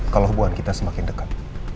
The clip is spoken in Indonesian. kalau hubungan kita semakin dekat